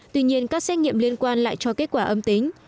tuy nhiên các xét nghiệm liên quan lại cho kết quả âm tính